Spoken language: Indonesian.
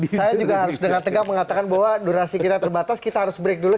saya juga harus dengan tegak mengatakan bahwa durasi kita terbatas kita harus break dulu